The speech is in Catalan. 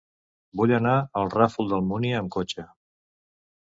Vull anar al Ràfol d'Almúnia amb cotxe.